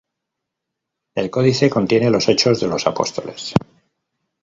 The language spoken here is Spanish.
El codice contiene los Hechos de los Apóstoles.